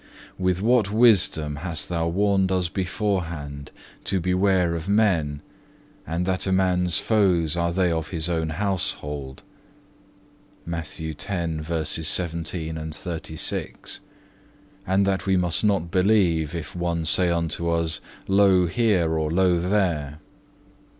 4. With what wisdom hast thou warned us beforehand to beware of men, and that a man's foes are they of his own household,(4) and that we must not believe if one say unto us Lo here, or Lo there.